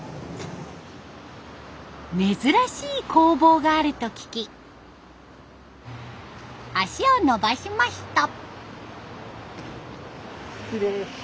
珍しい工房があると聞き足を延ばしました。